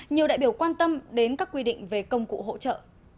nhiều đại biểu quan tâm đến các quy định về công cụ hỗ trợ